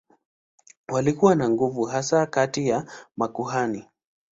Walikuwa na nguvu hasa kati ya makuhani.